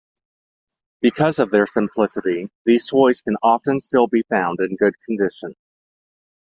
Because of their simplicity these toys can often still be found in good condition.